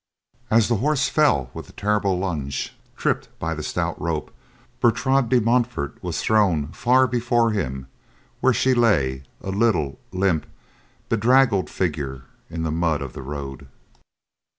As the horse fell, with a terrible lunge, tripped by the stout rope, Bertrade de Montfort was thrown far before him, where she lay, a little, limp bedraggled figure, in the mud of the road.